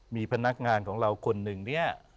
มีพนักงานของเราคนหนึ่งเนี่ย